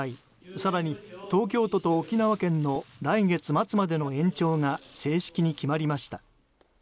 更に東京都と沖縄県の来月末までの延長が正式に決まりました。